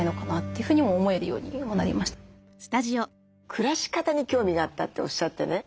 暮らし方に興味があったっておっしゃってね